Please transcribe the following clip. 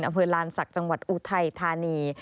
อำเภอลานศักดิ์จังหวัดอุทัยธานี